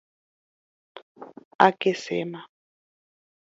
Akeséma.